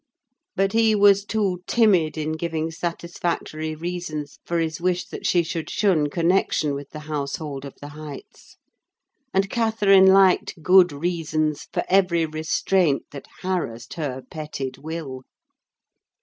But he was too timid in giving satisfactory reasons for his wish that she should shun connection with the household of the Heights, and Catherine liked good reasons for every restraint that harassed her petted will.